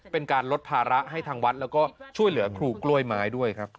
เป็นการลดภาระให้ทางวัดแล้วก็ช่วยเหลือครูกล้วยไม้ด้วยครับ